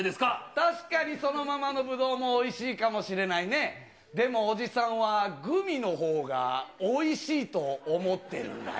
確かにそのままのブドウもおいしいかもしれないね、でも、おじさんはグミのほうがおいしいと思ってるんだよ。